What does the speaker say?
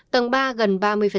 tầng ba gần ba mươi